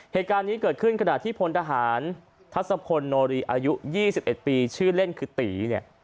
เหตุการณ์นี้เกิดขึ้นขณะที่พลทหารทัศพลโนรีอายุ๒๑ปีชื่อเล่นคือตีเนี่ย